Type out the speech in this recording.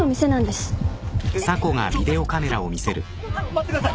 待ってください！